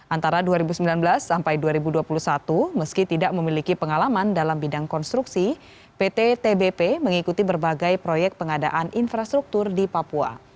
antara dua ribu sembilan belas sampai dua ribu dua puluh satu meski tidak memiliki pengalaman dalam bidang konstruksi pt tbp mengikuti berbagai proyek pengadaan infrastruktur di papua